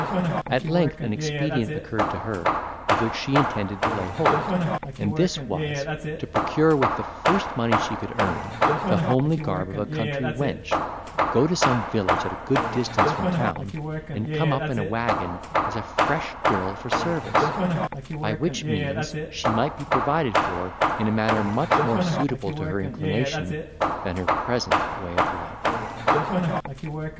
At length an expedient occurred to her, of which she intended to lay hold; and this was, to procure with the first money she should earn, the homely garb of a country wench, go to some village at a good distance from town, and come up in a waggon, as a fresh girl for service: by which means she might be provided for, in a manner much more suitable to her inclination than her present way of life.